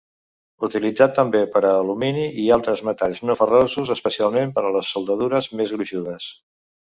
Utilitzat també per a alumini i altres metalls no ferrosos, especialment per a les soldadures més gruixudes.